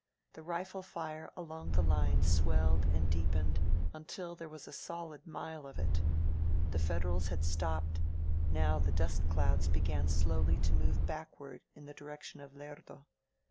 The rifle fire along the line swelled and deepened until there was a solid mile of it. The Federals had stopped; now the dust clouds began slowly to move backward in the direction of Lerdo.